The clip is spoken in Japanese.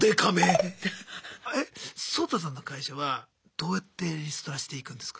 ソウタさんの会社はどうやってリストラしていくんですか？